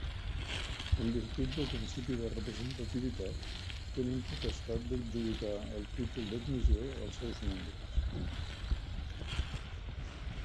En virtut del principi de representativitat, tenen potestat d'adjudicar el títol d'admissió als seus membres.